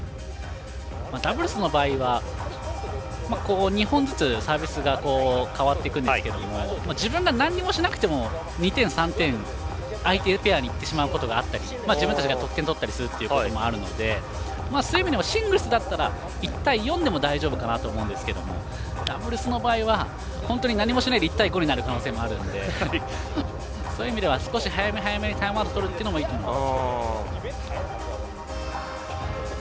ダブルスの場合は２本ずつ、サービスが変わっていくんですけど自分が何もしなくても２点、３点相手ペアにいってしまうことがあったり自分たちが得点を取ったりすることもあるのでそういう意味でもシングルスだったら１対４でも大丈夫かなと思うんですけどダブルスの場合は本当に何もしないで１対５になる可能性もあるのでそういう意味では早め早めにタイムアウトとるというのはいいと思います。